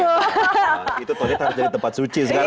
itu tohid harus jadi tempat suci sekarang